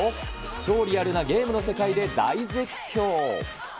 超リアルなゲームの世界で大絶叫。